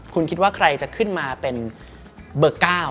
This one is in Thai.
คุณคิดว่าใครจะขึ้นมาเป็นเบอร์๙